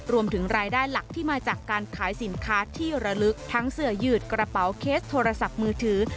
รวมถึงรายได้หลักที่มาจากการขายสินค้าที่ระลึกทั้งเสือยืดกระเป๋าเคสโทรศัพท์มือถือ